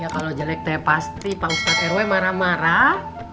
kalau jelek pasti pak ustadz rw marah marah